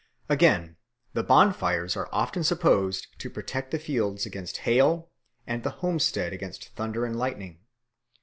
Again, the bonfires are often supposed to protect the fields against hail and the homestead against thunder and lightning.